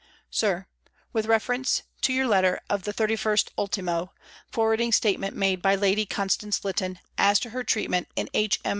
Sir, With reference to your letter of the 31st ultimo, forwarding statement made by Lady Constance Lytton, as to her treatment in H.M.